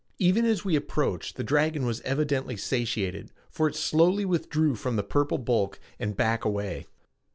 Even as we approached the dragon was evidently satiated, for it slowly withdrew from the purple bulk and back away.